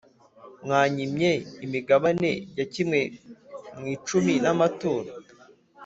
Mwanyimye imigabane ya kimwe mu icumi n’amaturo